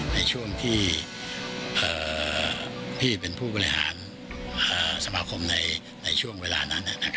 ในช่วงที่พี่เป็นผู้บริหารสมาคมในช่วงเวลานั้น